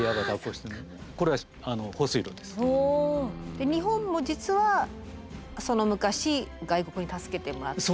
で日本も実はその昔外国に助けてもらったという。